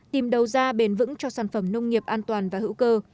tìm đầu ra bền vững cho sản phẩm nông nghiệp an toàn và hữu cơ